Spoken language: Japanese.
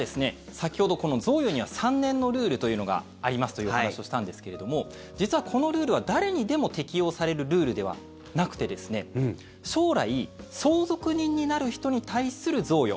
先ほど、贈与には３年のルールというのがありますという話をしたんですけれども実はこのルールは誰にでも適用されるルールではなくて将来、相続人になる人に対する贈与。